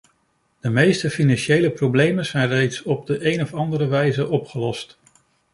De meeste financiële problemen zijn reeds op de een of andere wijze opgelost.